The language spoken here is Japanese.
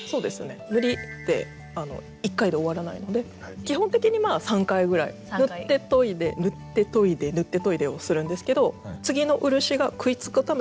塗りって１回で終わらないので基本的にまあ３回ぐらい塗って研いで塗って研いで塗って研いでをするんですけど次の漆が食いつくために研ぐんです。